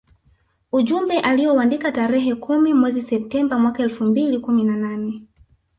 Ujumbe aliouandika tarehe kumi mwezi Septemba mwaka elfu mbili kumi na nane